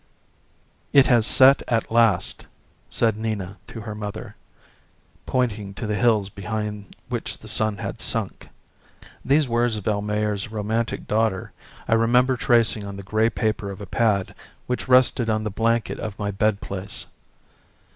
"'It has set at last,' said Nina to her mother, pointing to the hills behind which the sun had sunk. ..." These words of Almayer's romantic daughter I remember tracing on the grey paper of a pad which rested on the blanket of my bed place.